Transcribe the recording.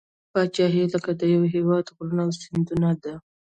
پاچهي لکه د یوه هیواد غرونه او سیندونه ده.